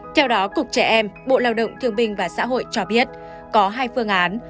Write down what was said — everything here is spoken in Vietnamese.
theo đó cục trẻ em bộ lao động thương binh và xã hội cho biết có hai phương án